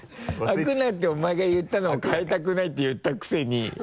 「開くな」ってお前が言ったのを「変えたくない」って言ったくせに。